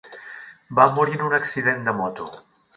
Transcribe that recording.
Va morir en un accident de moto.